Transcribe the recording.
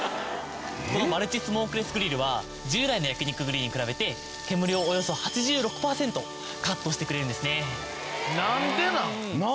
このマルチスモークレスグリルは従来の焼き肉グリルに比べて煙をおよそ８６パーセントカットしてくれるんですね。